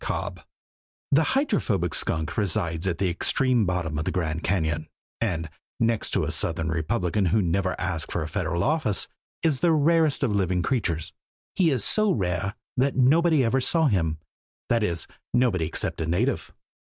Cobb_ THE Hydrophobic Skunk resides at the extreme bottom of the Grand Cañon and, next to a Southern Republican who never asked for a Federal office, is the rarest of living creatures. He is so rare that nobody ever saw him that is, nobody except a native.